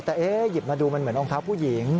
แต่หยิบมาดูมันเหมือนรองเท้าผู้หญิง